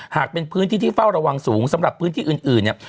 หากเป็นพื้นที่ที่เฝ้าระวังสูงสำหรับพื้นที่อื่นเนี่ย